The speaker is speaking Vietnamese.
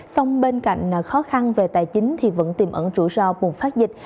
song bên cạnh khó khăn về tài chính thì vẫn tìm ẩn rủi ro buồn phát dịch